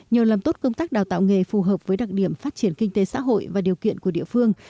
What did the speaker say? nhờ làm tốt công tác đào tạo nghề phù hợp với đặc điểm phát triển kinh tế xã hội và điều kiện của địa phương